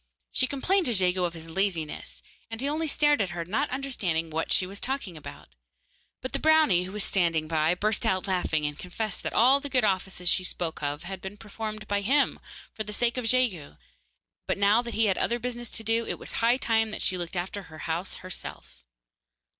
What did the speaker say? She complained to Jegu of his laziness, and he only stared at her, not understanding what she was talking about. But the brownie, who was standing by, burst out laughing, and confessed that all the good offices she spoke of had been performed by him, for the sake of Jegu, but that now he had other business to do, and it was high time that she looked after her house herself.